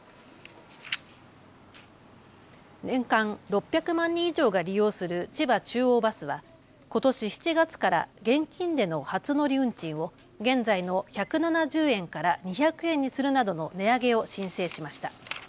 年間６００万人以上が利用する千葉中央バスは、ことし７月から現金での初乗り運賃を現在の１７０円から２００円にするなどの値上げを申請しました。